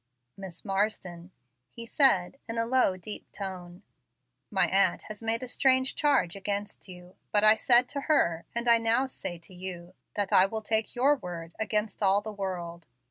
"Miss Marsden," he said, in a low, deep tone, "my aunt has made a strange charge against you, but I said to her, and I now say to you, that I will take your word against all the world.